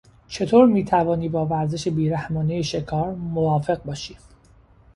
چطور میتوانی با ورزش بیرحمانهی شکار موافق باشی؟